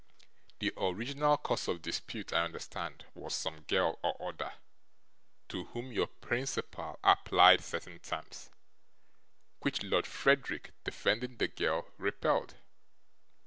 'The original cause of dispute, I understand, was some girl or other, to whom your principal applied certain terms, which Lord Frederick, defending the girl, repelled.